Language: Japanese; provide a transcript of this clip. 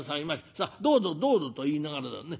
さあどうぞどうぞ』と言いながらだね